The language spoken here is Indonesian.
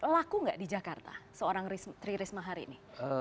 laku nggak di jakarta seorang tri risma hari ini